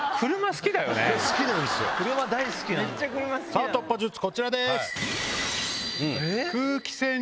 さぁ突破術こちらです。